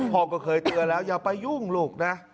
พ่อก็เคยเตือนแล้วอย่าไปยุ่งลูกนะ